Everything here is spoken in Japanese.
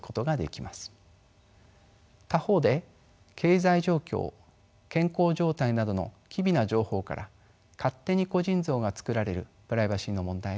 他方で経済状況健康状態などの機微な情報から勝手に個人像が作られるプライバシーの問題があります。